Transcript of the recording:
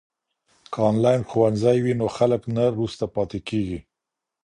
که انلاین ښوونځی وي نو خلګ نه وروسته پاته کیږي.